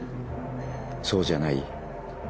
そうじゃない？